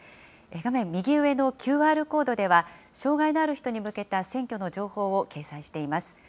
画面右上のＱＲコードでは、障害のある人に向けた選挙の情報を掲載しています。